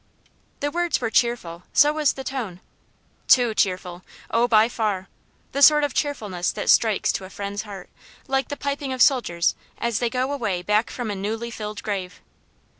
The words were cheerful, so was the tone. TOO cheerful oh, by far! The sort of cheerfulness that strikes to a friend's heart, like the piping of soldiers as they go away back from a newly filled grave.